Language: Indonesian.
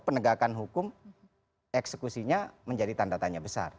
penegakan hukum eksekusinya menjadi tanda tanya besar